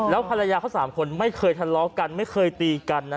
แล้วภรรยาเขา๓คนไม่เคยทะเลาะกันไม่เคยตีกันนะ